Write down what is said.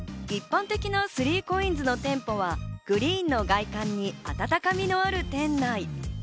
一般的な３ＣＯＩＮＳの店舗は、グリーンの外観に温かみのある店内。